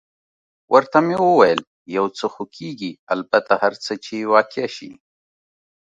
ورته مې وویل: یو څه خو کېږي، البته هر څه چې واقع شي.